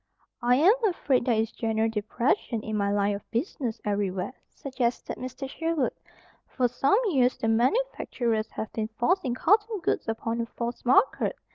"I am afraid there is general depression in my line of business everywhere," suggested Mr. Sherwood. "For some years the manufacturers have been forcing cotton goods upon a false market.